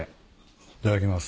いただきます。